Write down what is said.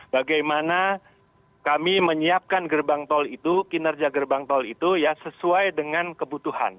bagaimana kami menyiapkan gerbang tol itu kinerja gerbang tol itu ya sesuai dengan kebutuhan